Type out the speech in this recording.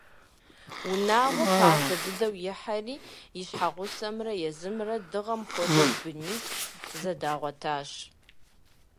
Унагъуэ пасэ дыдэу ихьэри, и щхьэгъусэмрэ езымрэ дыгъэм хуэдэу бынитху зэдагъуэтащ.